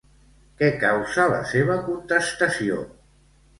Què causa la seva contestació?